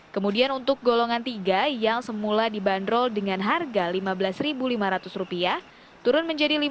kemudian untuk golongan tiga yang semula dibanderol dengan harga rp lima belas lima ratus turun menjadi lima ratus